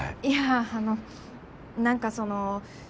いやあの何かその。